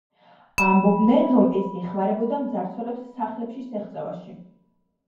ამბობდნენ, რომ ეს ეხმარებოდა მძარცველებს სახლებში შეღწევაში.